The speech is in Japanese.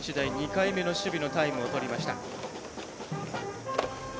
２回目の守備のタイムをとりました。